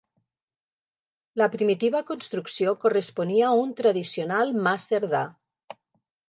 La primitiva construcció corresponia a un tradicional Mas Cerdà.